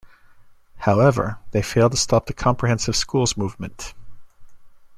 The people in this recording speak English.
However, they failed to stop the comprehensive schools movement.